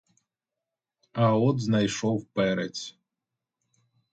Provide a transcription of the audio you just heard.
А от знайшов перець.